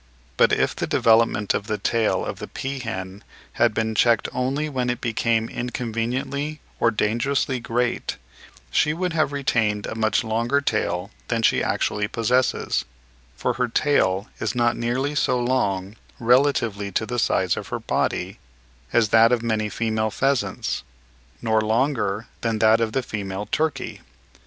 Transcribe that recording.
But if the development of the tail of the peahen had been checked only when it became inconveniently or dangerously great, she would have retained a much longer tail than she actually possesses; for her tail is not nearly so long, relatively to the size of her body, as that of many female pheasants, nor longer than that of the female turkey.